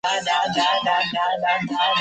斯普瓦。